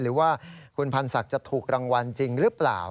หรือว่าคุณพันธ์ศักดิ์จะถูกรางวัลจริงหรือเปล่า